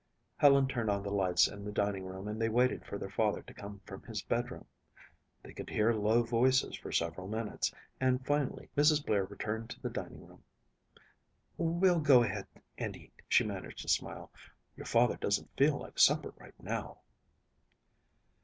Helen turned on the lights in the dining room and they waited for their father to come from his bedroom. They could hear low voices for several minutes and finally Mrs. Blair returned to the dining room. "We'll go ahead and eat," she managed to smile. "Your father doesn't feel like supper right now."